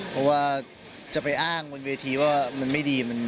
เพราะว่าจะไปอ้างบนเวทีว่ามันไม่ดี